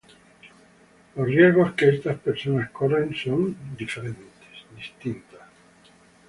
Los riesgos que estas personas corren son distintas.